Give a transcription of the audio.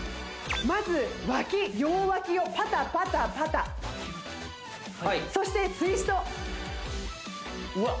まずワキ両ワキをパタパタパタそしてツイストうわっ